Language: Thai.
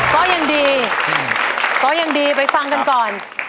ก็ยังดีไปฟังกันก่อน